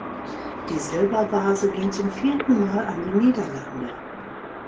Die Silbervase ging zum vierten Mal an die Niederlande.